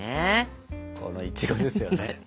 このいちごですよね。